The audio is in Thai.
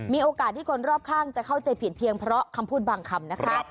มีโอกาสที่คนรอบข้างจะเข้าใจผิดเพียงเพราะคำพูดบางคำนะคะ